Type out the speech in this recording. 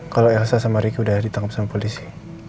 kalau elsa sama riki sudah ditangkap sama polisi